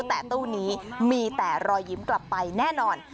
แต่ตู้นี้มีแต่รอยยิ้มกลับไปแน่นอน